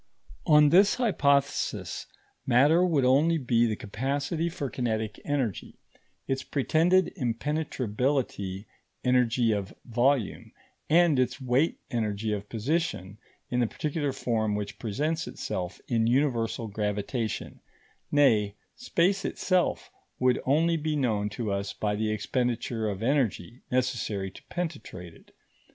] On this hypothesis, matter would only be the capacity for kinetic energy, its pretended impenetrability energy of volume, and its weight energy of position in the particular form which presents itself in universal gravitation; nay, space itself would only be known to us by the expenditure of energy necessary to penetrate it.